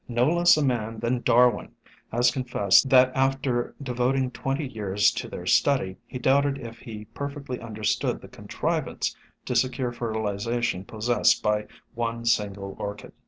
No less a man than Darwin has confessed that after devoting twenty years to their study, he doubted if SOME HUMBLE ORCHIDS 127 he perfectly understood the contrivance to secure fertilization possessed by one single Orchid.